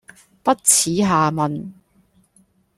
不恥下問